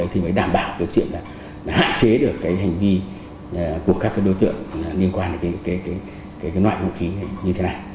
thì mới đảm bảo hạn chế được hành vi của các đối tượng liên quan đến loại vũ khí như thế này